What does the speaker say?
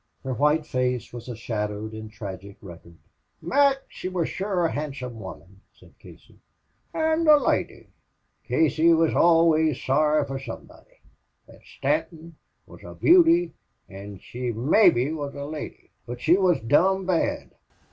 Her white face was a shadowed and tragic record. "Mac, she wor shure a handsome woman," said Casey, "an' a loidy." "Casey, yez are always sorry fer somebody.... Thot Stanton wuz a beauty an' she mebbe wuz a loidy. But she wuz dom' bad."